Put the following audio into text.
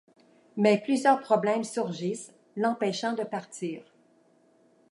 Mais plusieurs problèmes surgissent, l'empêchant de partir.